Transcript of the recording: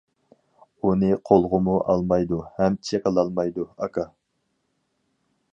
ئۇنى قولغىمۇ ئالمايدۇ ھەم چېقىلالمايدۇ، ئاكا!